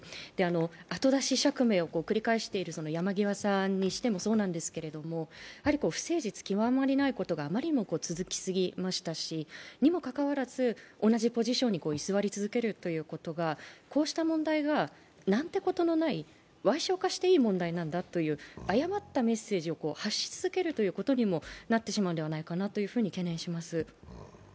後出し釈明を繰り返している山際さんにしてもそうですけど不誠実極まりないことがあまりにも続きすぎましたしにもかかわらず同じポジションに居座り続けるということがこうした問題がなんてことのないわい小化していい問題なんだという誤ったメッセージを発し続けることにもなってしまうのではないかと懸念します。